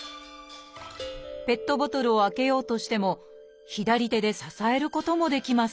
ペットボトルを開けようとしても左手で支えることもできません。